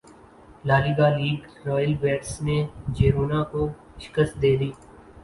La Liga league Real Betis نے Girona کو شکست دیدی